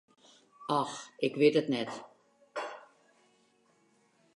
Och, ik wit it net.